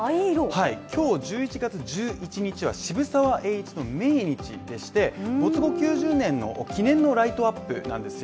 今日１１月１１日は渋沢栄一の命日でして、没後９０年の祈念のライトアップなんですよ。